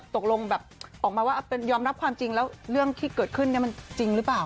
ตกลงแบบออกมาว่ายอมรับความจริงแล้วเรื่องที่เกิดขึ้นมันจริงหรือเปล่า